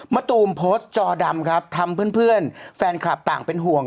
ตูมโพสต์จอดำครับทำเพื่อนแฟนคลับต่างเป็นห่วง